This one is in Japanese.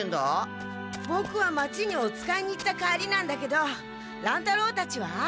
ボクは町におつかいに行った帰りなんだけど乱太郎たちは？